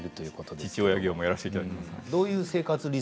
父親業務をやらせていただいています。